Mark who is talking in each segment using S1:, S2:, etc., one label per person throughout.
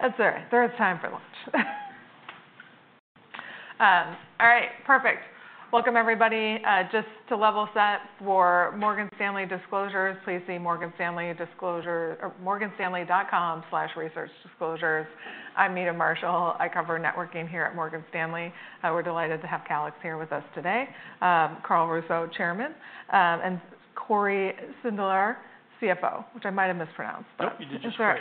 S1: That's it. There is time for lunch. All right, perfect. Welcome, everybody. Just to level set for Morgan Stanley disclosures, please see morganstanley.com slash research disclosures. I'm Meta Marshall. I cover networking here at Morgan Stanley. We're delighted to have Calix here with us today. Carl Russo, Chairman, and Cory Sindelar, CFO, which I might have mispronounced, but.
S2: Nope, you did just right.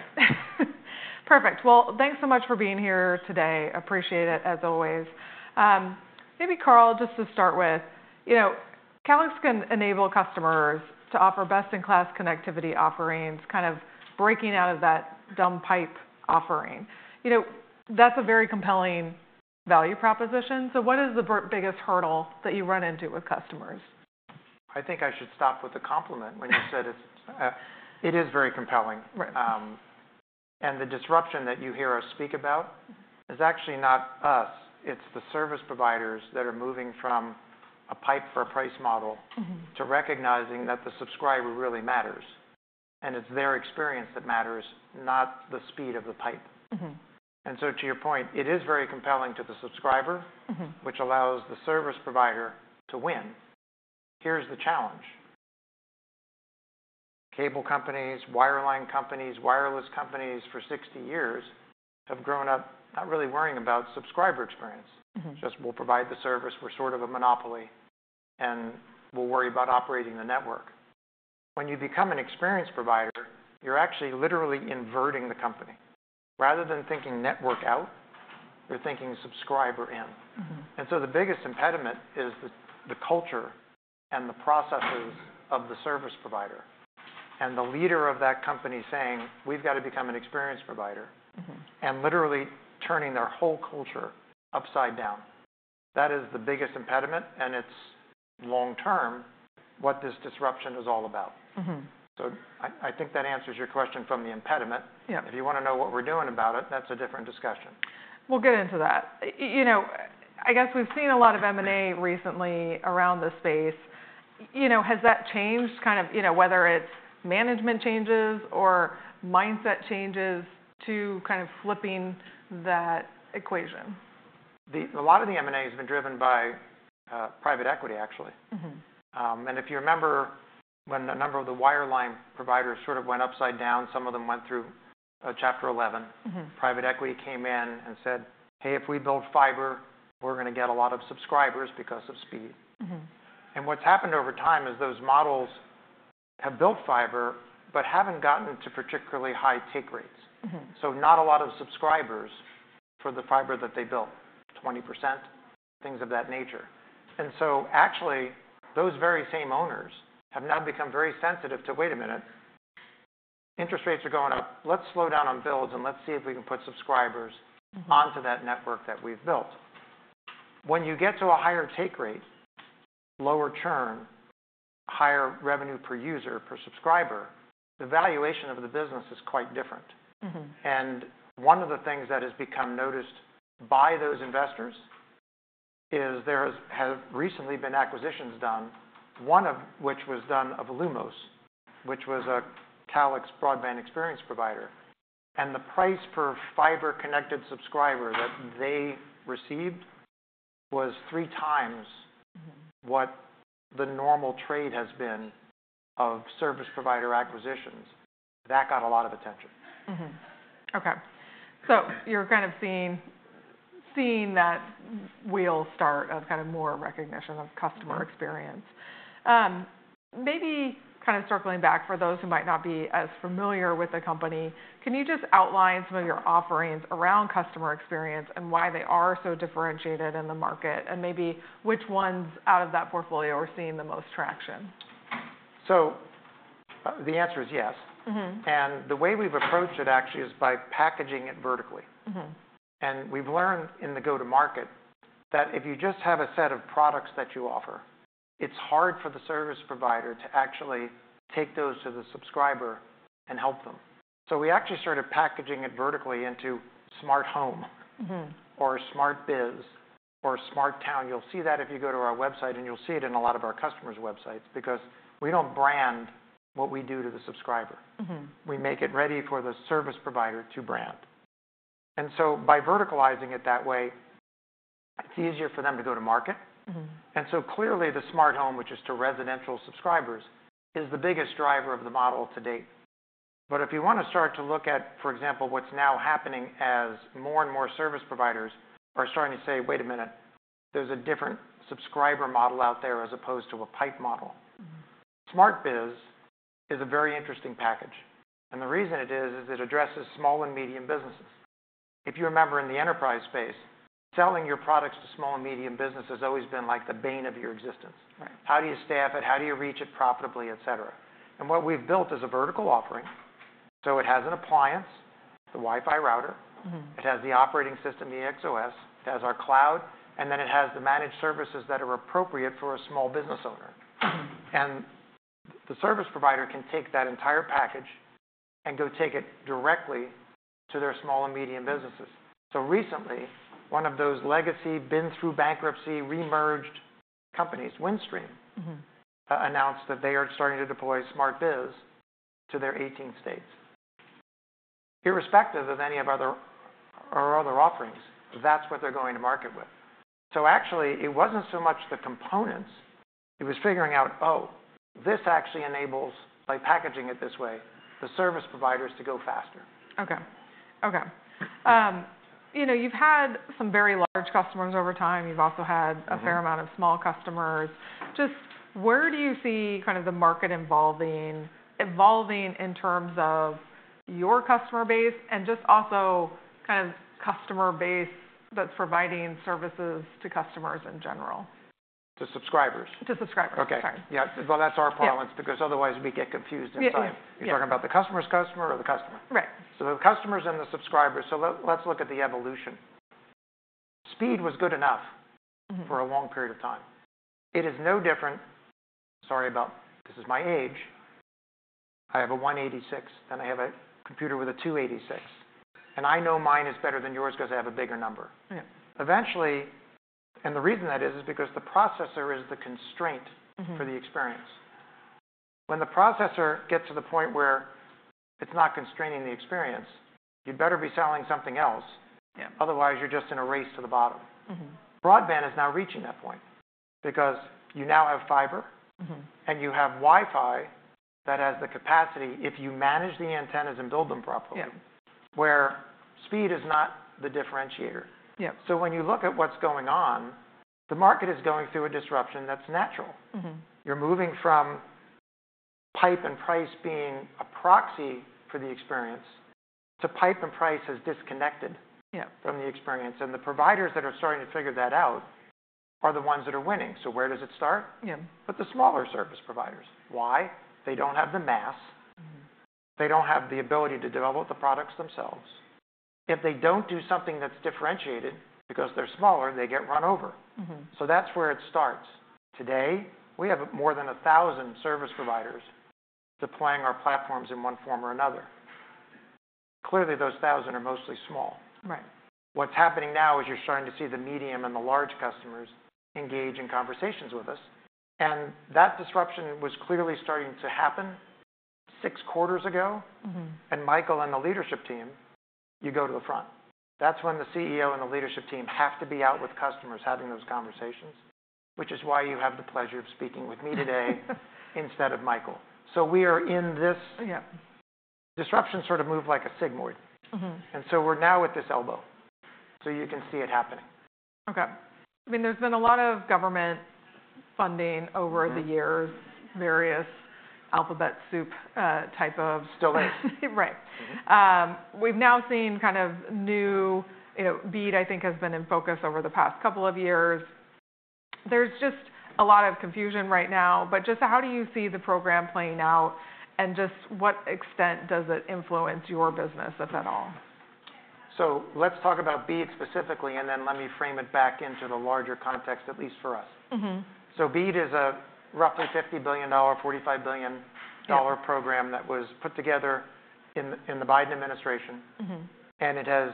S1: Perfect. Well, thanks so much for being here today. Appreciate it, as always. Maybe, Carl, just to start with, Calix can enable customers to offer best-in-class connectivity offerings, kind of breaking out of that dumb pipe offering. That's a very compelling value proposition. So what is the biggest hurdle that you run into with customers?
S2: I think I should stop with a compliment when you said it's very compelling, and the disruption that you hear us speak about is actually not us. It's the service providers that are moving from a pipe for a price model to recognizing that the subscriber really matters, and it's their experience that matters, not the speed of the pipe. And so, to your point, it is very compelling to the subscriber, which allows the service provider to win. Here's the challenge. Cable companies, wireline companies, wireless companies for 60 years have grown up not really worrying about subscriber experience. Just we'll provide the service. We're sort of a monopoly, and we'll worry about operating the network. When you become an experience provider, you're actually literally inverting the company. Rather than thinking network out, you're thinking subscriber in. The biggest impediment is the culture and the processes of the service provider. The leader of that company saying, we've got to become an experience provider, and literally turning their whole culture upside down. That is the biggest impediment. It's long term what this disruption is all about. I think that answers your question from the impediment. If you want to know what we're doing about it, that's a different discussion.
S1: We'll get into that. I guess we've seen a lot of M&A recently around the space. Has that changed, kind of whether it's management changes or mindset changes to kind of flipping that equation?
S2: A lot of the M&A has been driven by private equity, actually. And if you remember when a number of the wireline providers sort of went upside down, some of them went through Chapter 11. Private equity came in and said, hey, if we build fiber, we're going to get a lot of subscribers because of speed. And what's happened over time is those models have built fiber but haven't gotten to particularly high take rates. So not a lot of subscribers for the fiber that they built, 20%, things of that nature. And so actually, those very same owners have now become very sensitive to, wait a minute, interest rates are going up. Let's slow down on builds. And let's see if we can put subscribers onto that network that we've built. When you get to a higher take rate, lower churn, higher revenue per user, per subscriber, the valuation of the business is quite different. And one of the things that has become noticed by those investors is there have recently been acquisitions done, one of which was done of Lumos, which was a Calix broadband experience provider. And the price for fiber connected subscriber that they received was three times what the normal trade has been of service provider acquisitions. That got a lot of attention.
S1: OK. So you're kind of seeing that wheel start of kind of more recognition of customer experience. Maybe kind of circling back for those who might not be as familiar with the company, can you just outline some of your offerings around customer experience and why they are so differentiated in the market? And maybe which ones out of that portfolio are seeing the most traction?
S2: So the answer is yes. And the way we've approached it actually is by packaging it vertically. And we've learned in the go-to-market that if you just have a set of products that you offer, it's hard for the service provider to actually take those to the subscriber and help them. So we actually started packaging it vertically into SmartHome or SmartBiz or SmartTown. You'll see that if you go to our website. And you'll see it in a lot of our customers' websites because we don't brand what we do to the subscriber. We make it ready for the service provider to brand. And so by verticalizing it that way, it's easier for them to go to market. And so clearly, the SmartHome, which is to residential subscribers, is the biggest driver of the model to date. But if you want to start to look at, for example, what's now happening as more and more service providers are starting to say, wait a minute, there's a different subscriber model out there as opposed to a pipe model. SmartBiz is a very interesting package. And the reason it is is it addresses small and medium businesses. If you remember in the enterprise space, selling your products to small and medium businesses has always been like the bane of your existence. How do you staff it? How do you reach it profitably, et cetera? And what we've built is a vertical offering. So it has an appliance, the Wi-Fi router. It has the operating system, the AXOS. It has our cloud. And then it has the managed services that are appropriate for a small business owner. And the service provider can take that entire package and go take it directly to their small and medium businesses. So recently, one of those legacy been through bankruptcy re-emerged companies, Windstream, announced that they are starting to deploy SmartBiz to their 18 states. Irrespective of any of our other offerings, that's what they're going to market with. So actually, it wasn't so much the components. It was figuring out, oh, this actually enables, by packaging it this way, the service providers to go faster.
S1: You've had some very large customers over time. You've also had a fair amount of small customers. Just where do you see kind of the market evolving in terms of your customer base and just also kind of customer base that's providing services to customers in general?
S2: To subscribers?
S1: To subscribers.
S2: OK. Yeah. Well, that's our preference because otherwise we get confused in time. You're talking about the customer's customer or the customer?
S1: Right.
S2: The customers and the subscribers. So let's look at the evolution. Speed was good enough for a long period of time. It is no different. Sorry about this. It's my age. I have a 186. Then I have a computer with a 286. And I know mine is better than yours because I have a bigger number. Eventually, and the reason that is, is because the processor is the constraint for the experience. When the processor gets to the point where it's not constraining the experience, you'd better be selling something else. Otherwise, you're just in a race to the bottom. Broadband is now reaching that point because you now have fiber. And you have Wi-Fi that has the capacity if you manage the antennas and build them properly, where speed is not the differentiator. So when you look at what's going on, the market is going through a disruption that's natural. You're moving from pipe and price being a proxy for the experience to pipe and price as disconnected from the experience. And the providers that are starting to figure that out are the ones that are winning. So where does it start? With the smaller service providers. Why? They don't have the mass. They don't have the ability to develop the products themselves. If they don't do something that's differentiated because they're smaller, they get run over. So that's where it starts. Today, we have more than 1,000 service providers deploying our platforms in one form or another. Clearly, those 1,000 are mostly small. What's happening now is you're starting to see the medium and the large customers engage in conversations with us. And that disruption was clearly starting to happen six quarters ago. And Michael and the leadership team, you go to the front. That's when the CEO and the leadership team have to be out with customers having those conversations, which is why you have the pleasure of speaking with me today instead of Michael. So we are in this disruption sort of moved like a sigmoid. And so we're now at this elbow. So you can see it happening.
S1: OK. I mean, there's been a lot of government funding over the years, various alphabet soup type of.
S2: Still is.
S1: Right. We've now seen kind of new BEAD, I think, has been in focus over the past couple of years. There's just a lot of confusion right now. But just how do you see the program playing out? And just what extent does it influence your business, if at all?
S2: Let's talk about BEAD specifically. Then let me frame it back into the larger context, at least for us. BEAD is a roughly $50 billion, $45 billion program that was put together in the Biden administration. It has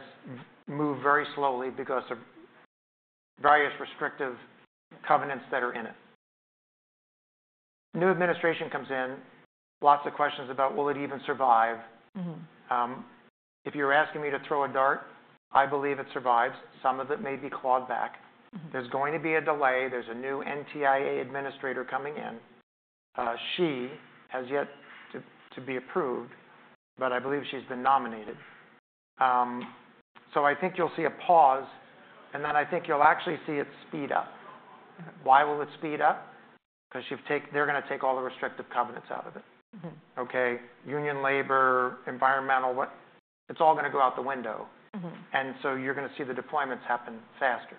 S2: moved very slowly because of various restrictive covenants that are in it. New administration comes in. Lots of questions about will it even survive. If you're asking me to throw a dart, I believe it survives. Some of it may be clawed back. There's going to be a delay. There's a new NTIA administrator coming in. She has yet to be approved. I believe she's been nominated. I think you'll see a pause. Then I think you'll actually see it speed up. Why will it speed up? Because they're going to take all the restrictive covenants out of it. OK, union labor, environmental, it's all going to go out the window. And so you're going to see the deployments happen faster.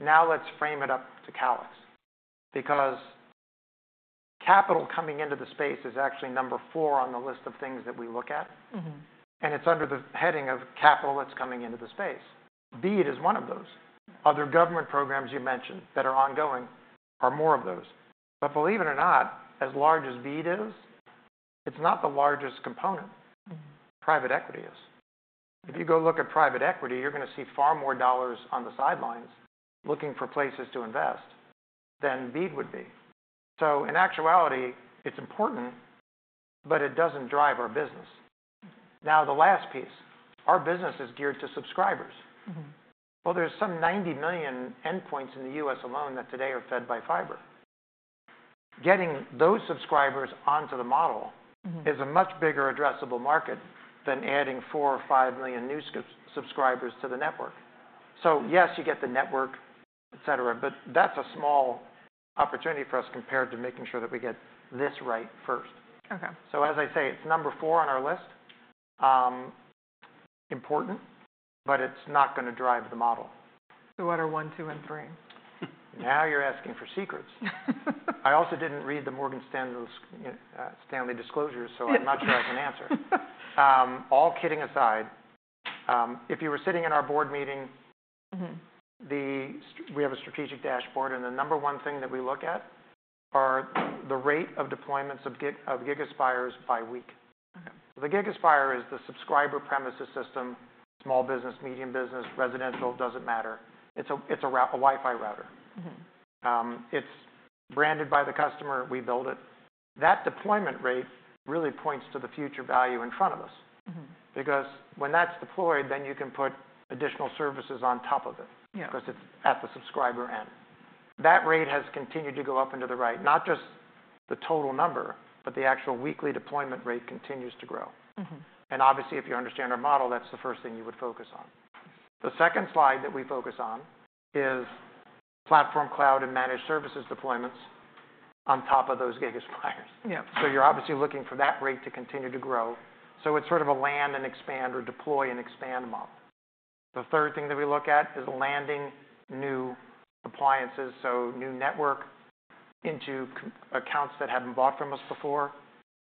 S2: Now let's frame it up to Calix because capital coming into the space is actually number four on the list of things that we look at. And it's under the heading of capital that's coming into the space. BEAD is one of those. Other government programs you mentioned that are ongoing are more of those. But believe it or not, as large as BEAD is, it's not the largest component. Private equity is. If you go look at private equity, you're going to see far more dollars on the sidelines looking for places to invest than BEAD would be. So in actuality, it's important. But it doesn't drive our business. Now the last piece, our business is geared to subscribers. There's some 90 million endpoints in the U.S. alone that today are fed by fiber. Getting those subscribers onto the model is a much bigger addressable market than adding four or five million new subscribers to the network. So yes, you get the network, et cetera. But that's a small opportunity for us compared to making sure that we get this right first. So as I say, it's number four on our list. Important. But it's not going to drive the model.
S1: So what are one, two, and three?
S2: Now you're asking for secrets. I also didn't read the Morgan Stanley disclosures. So I'm not sure I can answer. All kidding aside, if you were sitting in our board meeting, we have a strategic dashboard, and the number one thing that we look at are the rate of deployments of GigaSpire by week. The GigaSpire is the subscriber premises system, small business, medium business, residential, doesn't matter. It's a Wi-Fi router. It's branded by the customer. We build it. That deployment rate really points to the future value in front of us. Because when that's deployed, then you can put additional services on top of it because it's at the subscriber end. That rate has continued to go up and to the right, not just the total number, but the actual weekly deployment rate continues to grow. Obviously, if you understand our model, that's the first thing you would focus on. The second slide that we focus on is platform, cloud, and managed services deployments on top of those GigaSpire. So you're obviously looking for that rate to continue to grow. So it's sort of a land and expand or deploy and expand model. The third thing that we look at is landing new appliances, so new network into accounts that haven't bought from us before.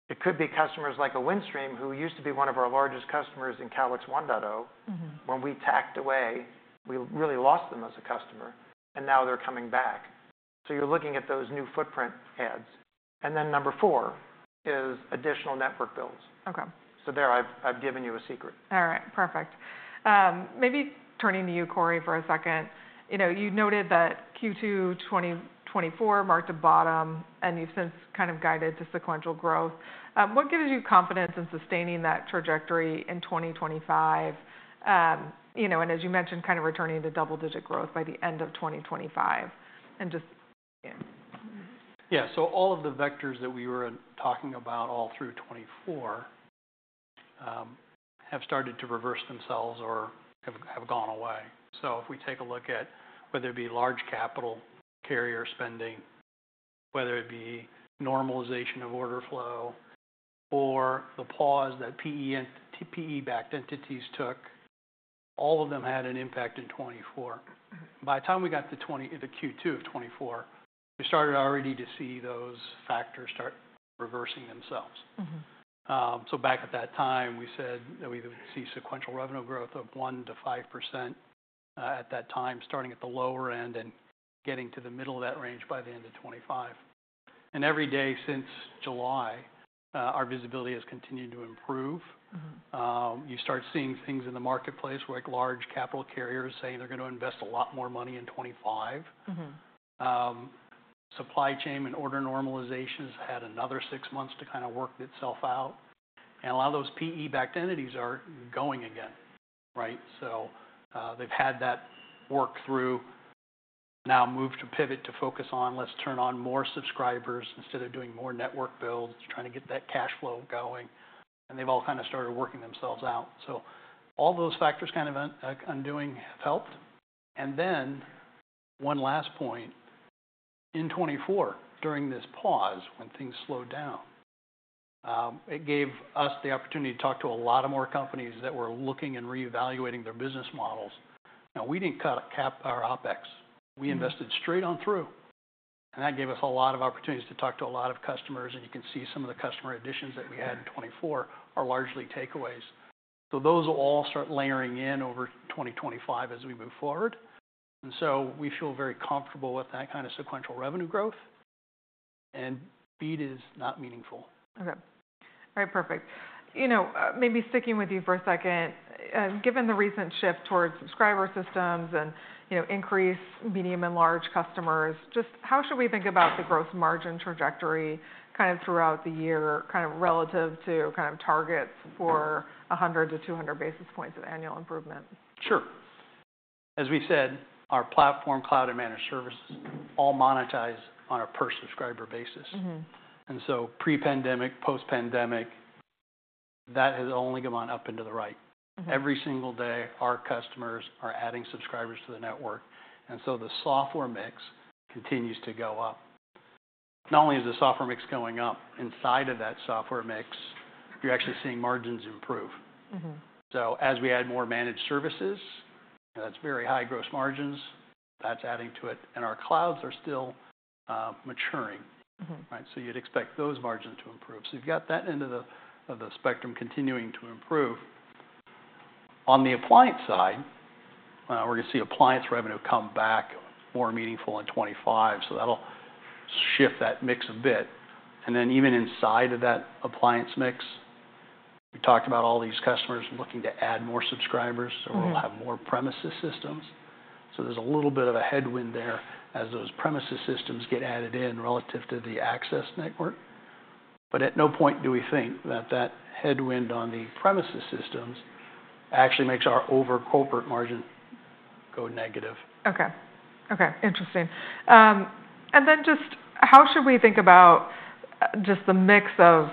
S2: It could be customers like Windstream who used to be one of our largest customers in Calix 1.0. When we backed away, we really lost them as a customer. And now they're coming back. So you're looking at those new footprint adds. And then number four is additional network builds. So there I've given you a secret.
S1: All right. Perfect. Maybe turning to you, Cory, for a second. You noted that Q2 2024 marked a bottom. And you've since kind of guided to sequential growth. What gives you confidence in sustaining that trajectory in 2025? And as you mentioned, kind of returning to double-digit growth by the end of 2025. And just.
S3: Yeah. So, all of the vectors that we were talking about all through 2024 have started to reverse themselves or have gone away. So, if we take a look at whether it be large capital carrier spending, whether it be normalization of order flow, or the pause that PE-backed entities took, all of them had an impact in 2024. By the time we got to Q2 of 2024, we started already to see those factors start reversing themselves. So, back at that time, we said that we would see sequential revenue growth of 1%-5% at that time, starting at the lower end and getting to the middle of that range by the end of 2025. And every day since July, our visibility has continued to improve. You start seeing things in the marketplace like large capital carriers saying they're going to invest a lot more money in 2025. Supply chain and order normalization has had another six months to kind of work itself out. And a lot of those PE-backed entities are going again. Right? So they've had that work through, now moved to pivot to focus on, let's turn on more subscribers instead of doing more network builds, trying to get that cash flow going. And they've all kind of started working themselves out. So all those factors kind of undoing have helped. And then one last point. In 2024, during this pause when things slowed down, it gave us the opportunity to talk to a lot of more companies that were looking and reevaluating their business models. Now, we didn't cut our OpEx. We invested straight on through. And that gave us a lot of opportunities to talk to a lot of customers. You can see some of the customer additions that we had in 2024 are largely takeaways. Those will all start layering in over 2025 as we move forward. We feel very comfortable with that kind of sequential revenue growth. BEAD is not meaningful.
S1: OK. All right. Perfect. Maybe sticking with you for a second, given the recent shift towards subscriber systems and increased medium and large customers, just how should we think about the gross margin trajectory kind of throughout the year kind of relative to kind of targets for 100-200 basis points of annual improvement?
S3: Sure. As we said, our platform, cloud, and managed services all monetize on a per-subscriber basis. And so pre-pandemic, post-pandemic, that has only gone up and to the right. Every single day, our customers are adding subscribers to the network. And so the software mix continues to go up. Not only is the software mix going up, inside of that software mix, you're actually seeing margins improve. So as we add more managed services, that's very high gross margins. That's adding to it. And our clouds are still maturing. So you'd expect those margins to improve. So you've got that end of the spectrum continuing to improve. On the appliance side, we're going to see appliance revenue come back more meaningful in 2025. So that'll shift that mix a bit. And then even inside of that appliance mix, we talked about all these customers looking to add more subscribers. So we'll have more premises systems. So there's a little bit of a headwind there as those premises systems get added in relative to the access network. But at no point do we think that that headwind on the premises systems actually makes our overall corporate margin go negative.
S1: OK. OK. Interesting. And then just how should we think about just the mix of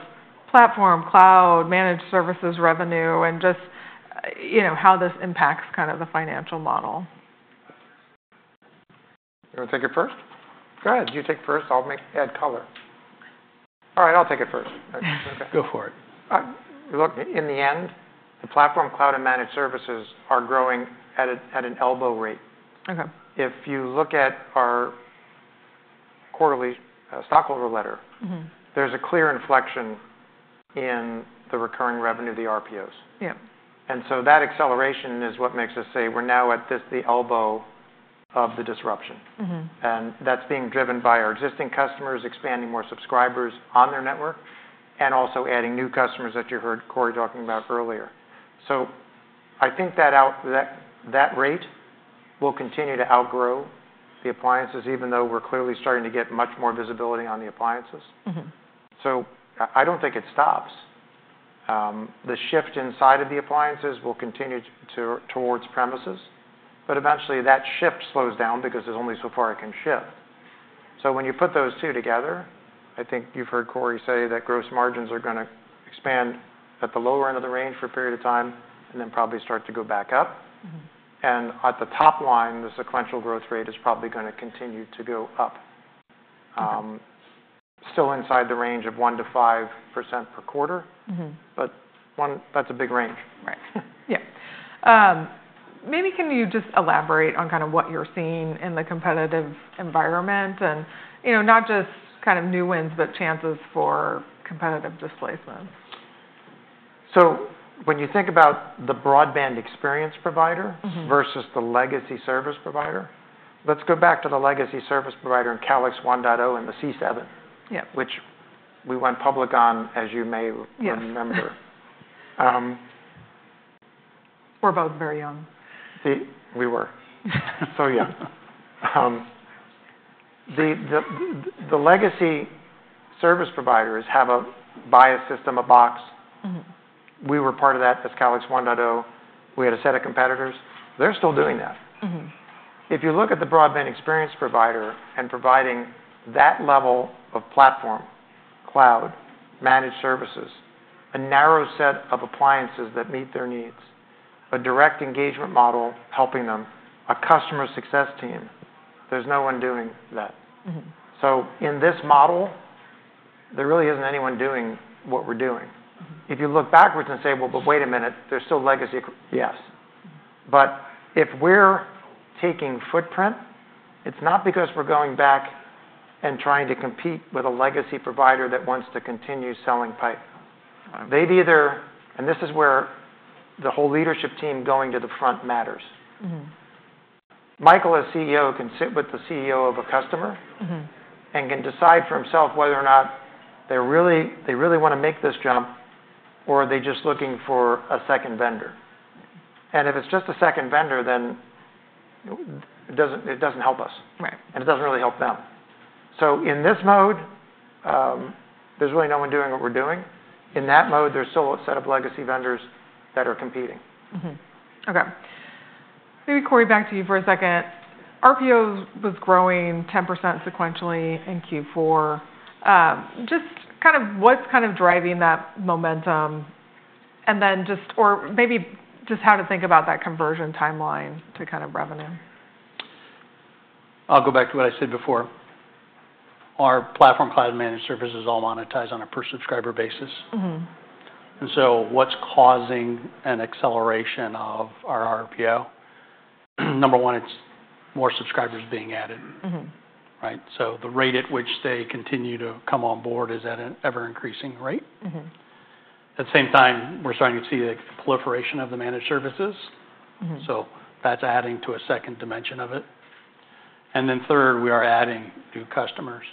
S1: platform, cloud, managed services revenue and just how this impacts kind of the financial model?
S2: You want to take it first?
S3: Go ahead.
S2: You take it first. I'll add color. All right. I'll take it first.
S3: OK.
S2: Go for it. Look, in the end, the platform, cloud, and managed services are growing at an elbow rate. If you look at our quarterly stockholder letter, there's a clear inflection in the recurring revenue of the RPOs. And so that acceleration is what makes us say we're now at the elbow of the disruption. And that's being driven by our existing customers expanding more subscribers on their network and also adding new customers that you heard Cory talking about earlier. So I think that rate will continue to outgrow the appliances, even though we're clearly starting to get much more visibility on the appliances. So I don't think it stops. The shift inside of the appliances will continue towards premises. But eventually, that shift slows down because there's only so far it can shift. So when you put those two together, I think you've heard Cory say that gross margins are going to expand at the lower end of the range for a period of time and then probably start to go back up. And at the top line, the sequential growth rate is probably going to continue to go up, still inside the range of 1%-5% per quarter. But that's a big range.
S1: Right. Yeah. Maybe can you just elaborate on kind of what you're seeing in the competitive environment and not just kind of new wins but chances for competitive displacements?
S2: So when you think about the broadband experience provider versus the legacy service provider, let's go back to the legacy service provider in Calix 1.0 and the C7, which we went public on, as you may remember.
S3: We're both very young.
S2: We were. So yeah, the legacy service providers have a box system, a box. We were part of that as Calix 1.0. We had a set of competitors. They're still doing that. If you look at the broadband experience provider and providing that level of platform, cloud, managed services, a narrow set of appliances that meet their needs, a direct engagement model helping them, a customer success team, there's no one doing that. So in this model, there really isn't anyone doing what we're doing. If you look backwards and say, well, but wait a minute, there's still legacy. Yes. But if we're taking footprint, it's not because we're going back and trying to compete with a legacy provider that wants to continue selling pipe. They'd either, and this is where the whole leadership team going to the front matters. Michael, as CEO, can sit with the CEO of a customer and can decide for himself whether or not they really want to make this jump or they're just looking for a second vendor. And if it's just a second vendor, then it doesn't help us. And it doesn't really help them. So in this mode, there's really no one doing what we're doing. In that mode, there's still a set of legacy vendors that are competing.
S1: OK. Maybe, Cory, back to you for a second. RPOs was growing 10% sequentially in Q4. Just kind of what's kind of driving that momentum? And then just, or maybe just how to think about that conversion timeline to kind of revenue?
S3: I'll go back to what I said before. Our platform, cloud, and managed services all monetize on a per-subscriber basis. And so what's causing an acceleration of our RPO? Number one, it's more subscribers being added. Right? So the rate at which they continue to come on board is at an ever-increasing rate. At the same time, we're starting to see the proliferation of the managed services. So that's adding to a second dimension of it. And then third, we are adding new customers.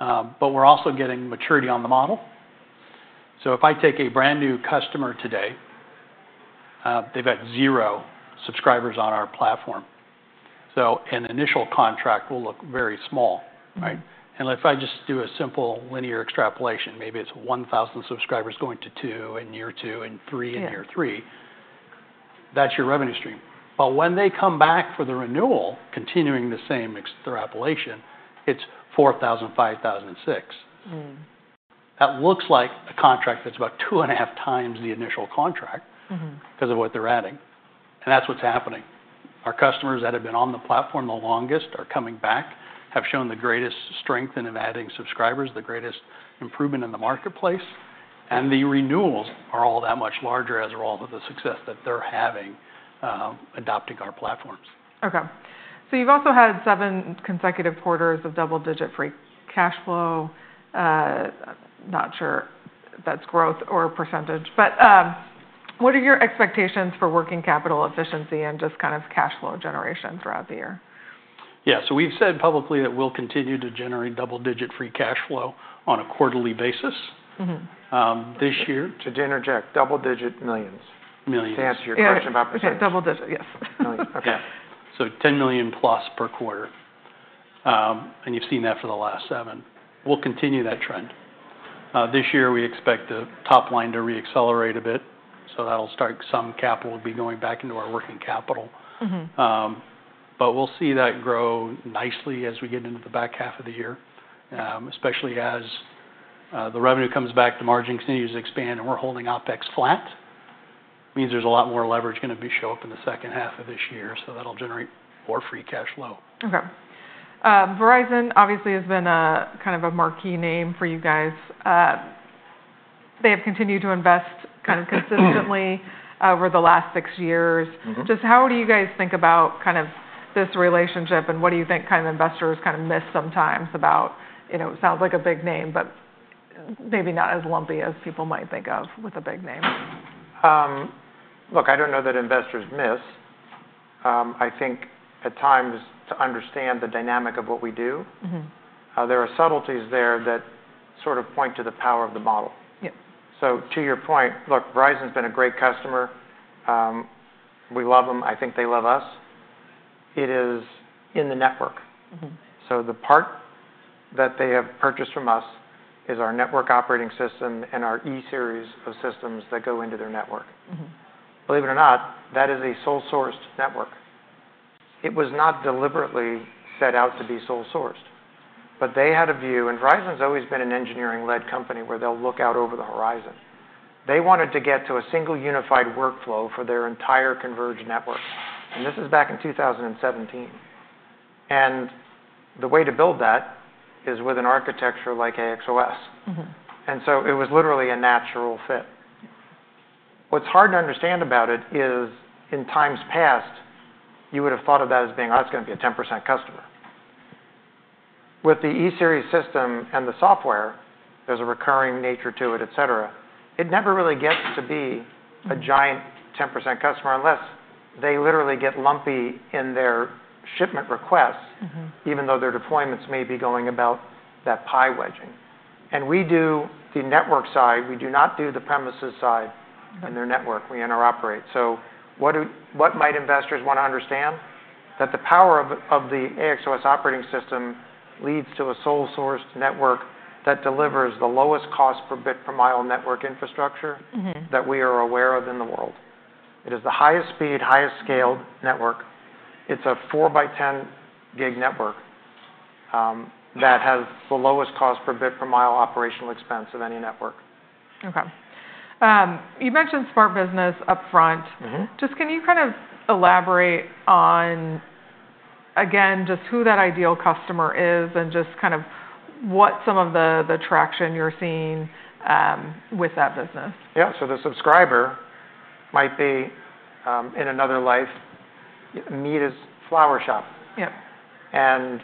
S3: But we're also getting maturity on the model. So if I take a brand new customer today, they've got zero subscribers on our platform. So an initial contract will look very small. Right? And if I just do a simple linear extrapolation, maybe it's 1,000 subscribers going to two in year two and three in year three, that's your revenue stream. But when they come back for the renewal, continuing the same extrapolation, it's 4,000, 5,000, 6,000. That looks like a contract that's about 2.5x the initial contract because of what they're adding. And that's what's happening. Our customers that have been on the platform the longest are coming back, have shown the greatest strength in adding subscribers, the greatest improvement in the marketplace. And the renewals are all that much larger as a result of the success that they're having adopting our platforms.
S1: OK, so you've also had seven consecutive quarters of double-digit free cash flow. Not sure if that's growth or percentage. But what are your expectations for working capital efficiency and just kind of cash flow generation throughout the year?
S3: Yeah. So we've said publicly that we'll continue to generate double-digit free cash flow on a quarterly basis this year. To interject, double-digit millions. Millions. To answer your question about percentage.
S1: Double-digit, yes.
S2: Millions. OK. So $10+ million per quarter. And you've seen that for the last seven. We'll continue that trend. This year, we expect the top line to re-accelerate a bit. So that'll start some capital will be going back into our working capital. But we'll see that grow nicely as we get into the back half of the year, especially as the revenue comes back, the margin continues to expand. And we're holding OpEx flat. Means there's a lot more leverage going to show up in the second half of this year. So that'll generate more free cash flow.
S1: OK. Verizon, obviously, has been kind of a marquee name for you guys. They have continued to invest kind of consistently over the last six years. Just how do you guys think about kind of this relationship, and what do you think kind of investors kind of miss sometimes about it? Sounds like a big name, but maybe not as lumpy as people might think of with a big name.
S2: Look, I don't know that investors miss. I think at times, to understand the dynamic of what we do, there are subtleties there that sort of point to the power of the model. So to your point, look, Verizon's been a great customer. We love them. I think they love us. It is in the network. So the part that they have purchased from us is our network operating system and our E-Series of systems that go into their network. Believe it or not, that is a sole-sourced network. It was not deliberately set out to be sole-sourced. But they had a view, and Verizon's always been an engineering-led company where they'll look out over the horizon. They wanted to get to a single unified workflow for their entire converged network. And this is back in 2017. And the way to build that is with an architecture like AXOS. And so it was literally a natural fit. What's hard to understand about it is in times past, you would have thought of that as being, oh, that's going to be a 10% customer. With the E-Series system and the software, there's a recurring nature to it, et cetera. It never really gets to be a giant 10% customer unless they literally get lumpy in their shipment requests, even though their deployments may be going about that pie wedging. And we do the network side. We do not do the premises side in their network. We interoperate. So what might investors want to understand? That the power of the AXOS operating system leads to a sole-sourced network that delivers the lowest cost per bit per mile network infrastructure that we are aware of in the world. It is the highest speed, highest scaled network. It's a 4 x 10 gig network that has the lowest cost per bit per mile operational expense of any network.
S1: OK. You mentioned SmartBiz up front. Just can you kind of elaborate on, again, just who that ideal customer is and just kind of what some of the traction you're seeing with that business?
S2: Yeah. So the subscriber might be, in another life, Mimi's Flower Shop. And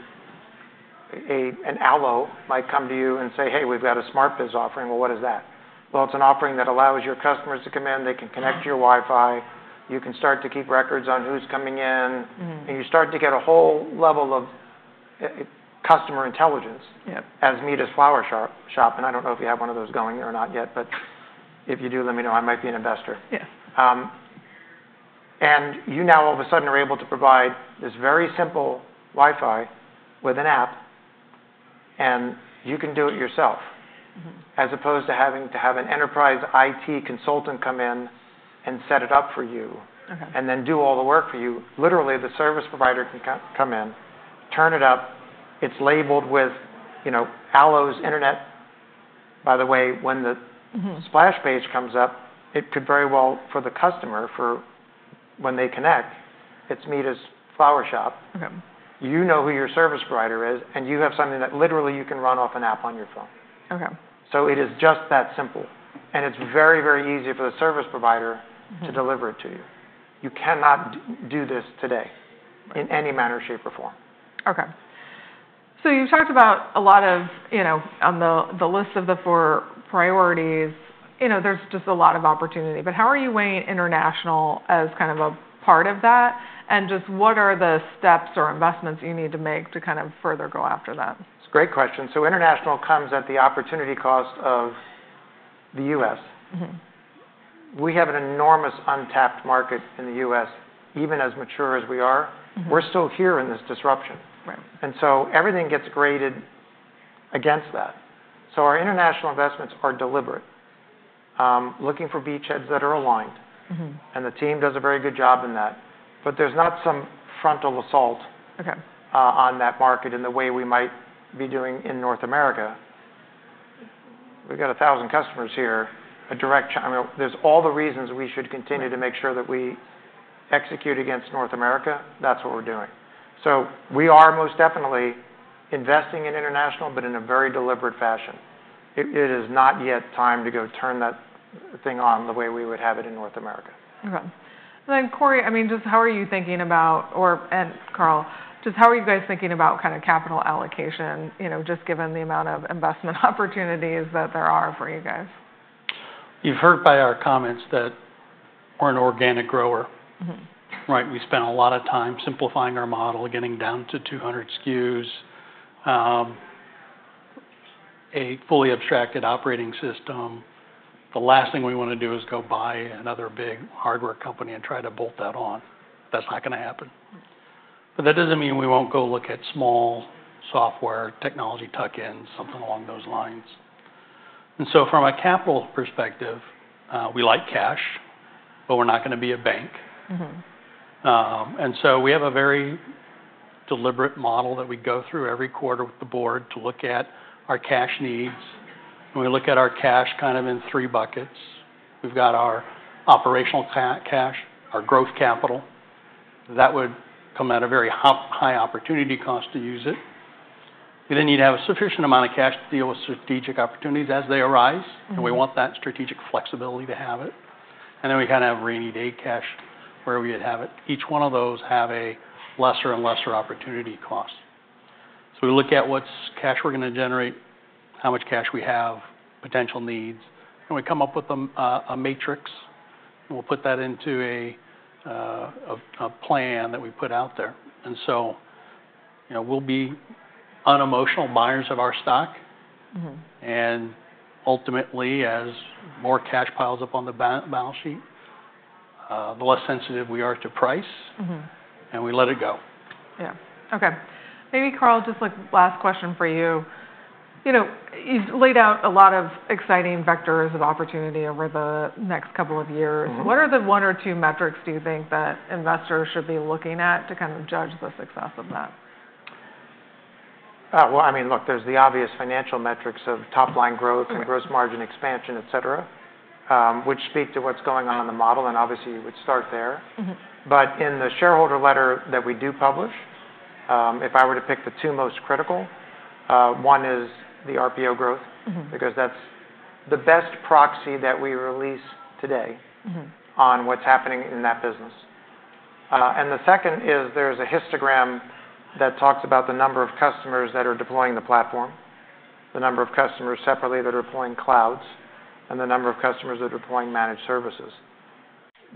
S2: an ALLO might come to you and say, hey, we've got a SmartBiz offering. Well, what is that? Well, it's an offering that allows your customers to come in. They can connect to your Wi-Fi. You can start to keep records on who's coming in. And you start to get a whole level of customer intelligence as Mimi's Flower Shop. And I don't know if you have one of those going or not yet. But if you do, let me know. I might be an investor. And you now, all of a sudden, are able to provide this very simple Wi-Fi with an app. You can do it yourself as opposed to having to have an enterprise IT consultant come in and set it up for you and then do all the work for you. Literally, the service provider can come in, turn it up. It's labeled with ALLO's internet. By the way, when the splash page comes up, it could very well for the customer, for when they connect, it's Mimi's Flower Shop. You know who your service provider is. And you have something that literally you can run off an app on your phone. So it is just that simple. And it's very, very easy for the service provider to deliver it to you. You cannot do this today in any manner, shape, or form.
S1: OK. So you've talked about a lot of on the list of the four priorities, there's just a lot of opportunity. But how are you weighing international as kind of a part of that? And just what are the steps or investments you need to make to kind of further go after that?
S2: It's a great question, so international comes at the opportunity cost of the U.S. We have an enormous untapped market in the U.S., even as mature as we are. We're still here in this disruption, and so everything gets graded against that, so our international investments are deliberate, looking for beachheads that are aligned, and the team does a very good job in that, but there's not some frontal assault on that market in the way we might be doing in North America. We've got 1,000 customers here. There's all the reasons we should continue to make sure that we execute against North America. That's what we're doing, so we are most definitely investing in international, but in a very deliberate fashion. It is not yet time to go turn that thing on the way we would have it in North America.
S1: OK. And then, Cory, I mean, just how are you thinking about or, and Carl, just how are you guys thinking about kind of capital allocation, just given the amount of investment opportunities that there are for you guys?
S3: You've heard by our comments that we're an organic grower. Right? We spent a lot of time simplifying our model, getting down to 200 SKUs, a fully abstracted operating system. The last thing we want to do is go buy another big hardware company and try to bolt that on. That's not going to happen. But that doesn't mean we won't go look at small software technology tuck-ins, something along those lines. And so from a capital perspective, we like cash. But we're not going to be a bank. And so we have a very deliberate model that we go through every quarter with the board to look at our cash needs. And we look at our cash kind of in three buckets. We've got our operational cash, our growth capital. That would come at a very high opportunity cost to use it. We then need to have a sufficient amount of cash to deal with strategic opportunities as they arise. And we want that strategic flexibility to have it. And then we kind of have rainy day cash where we would have each one of those have a lesser and lesser opportunity cost. So we look at what cash we're going to generate, how much cash we have, potential needs. And we come up with a matrix. And we'll put that into a plan that we put out there. And so we'll be unemotional buyers of our stock. And ultimately, as more cash piles up on the balance sheet, the less sensitive we are to price. And we let it go.
S1: Yeah. OK. Maybe, Carl, just like last question for you. You've laid out a lot of exciting vectors of opportunity over the next couple of years. What are the one or two metrics do you think that investors should be looking at to kind of judge the success of that?
S2: Well, I mean, look, there's the obvious financial metrics of top line growth and gross margin expansion, et cetera, which speak to what's going on in the model. And obviously, you would start there. But in the shareholder letter that we do publish, if I were to pick the two most critical, one is the RPO growth because that's the best proxy that we release today on what's happening in that business. And the second is there's a histogram that talks about the number of customers that are deploying the platform, the number of customers separately that are deploying clouds, and the number of customers that are deploying managed services.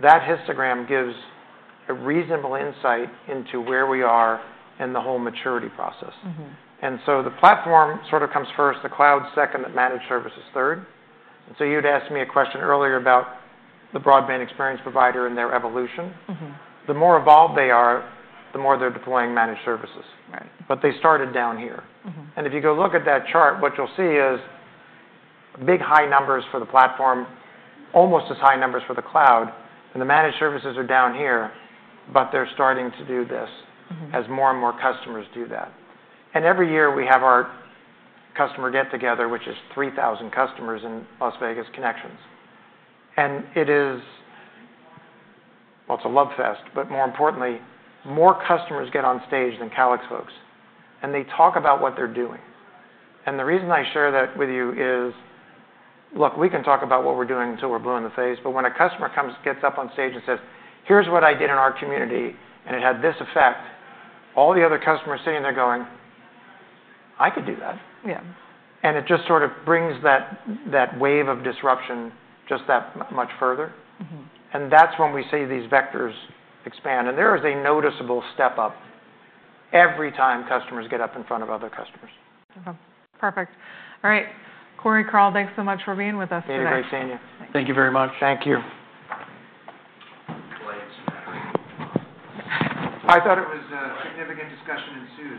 S2: That histogram gives a reasonable insight into where we are in the whole maturity process. And so the platform sort of comes first, the cloud second, the managed services third. And so you had asked me a question earlier about the broadband experience provider and their evolution. The more evolved they are, the more they're deploying managed services. But they started down here. And if you go look at that chart, what you'll see is big high numbers for the platform, almost as high numbers for the cloud. And the managed services are down here. But they're starting to do this as more and more customers do that. And every year, we have our customer get-together, which is 3,000 customers in Las Vegas ConneXions. And it is, well, it's a love fest. But more importantly, more customers get on stage than Calix folks. And they talk about what they're doing. And the reason I share that with you is, look, we can talk about what we're doing until we're blue in the face. But when a customer gets up on stage and says, here's what I did in our community. And it had this effect. All the other customers sitting there going, I could do that. And it just sort of brings that wave of disruption just that much further. And that's when we see these vectors expand. And there is a noticeable step up every time customers get up in front of other customers.
S1: Perfect. All right. Cory, Carl, thanks so much for being with us today.
S2: It's been great seeing you.
S3: Thank you very much.
S2: Thank you.
S3: I thought it was a significant discussion in sum.